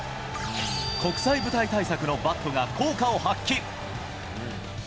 国際舞台対策のバットが効果を発揮。